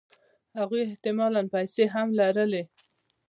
هغوی احتمالاً پیسې هم لرلې